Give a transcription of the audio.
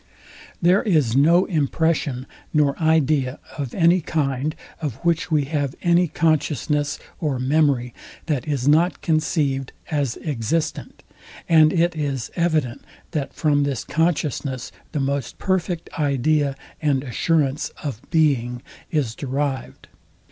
There is no impression nor idea of any kind, of which we have any consciousness or memory, that is not conceived as existent; and it is evident, that from this consciousness the most perfect idea and assurance of being is derived.